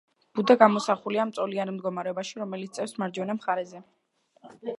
ბუდა გამოსახულია მწოლიარე მდგომარეობაში, რომელიც წევს მარჯვენა მხარზე.